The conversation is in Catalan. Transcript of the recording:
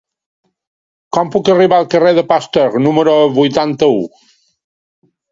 Com puc arribar al carrer de Pasteur número vuitanta-u?